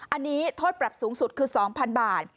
อันนี้โทษปรับสูงสุดคือ๒๐๐๐บาท